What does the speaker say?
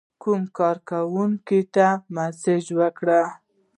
کوم کارکونکي ته یې مسیج وکړ.